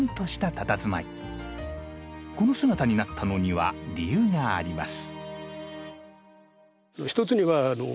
この姿になったのには理由があります。